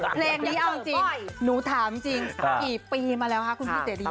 เพลงนี้เอาจริงหนูถามจริงกี่ปีมาแล้วคะคุณพี่เจดี